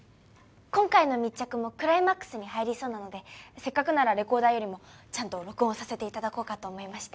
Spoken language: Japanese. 今回の密着もクライマックスに入りそうなのでせっかくならレコーダーよりもちゃんと録音させて頂こうかと思いまして。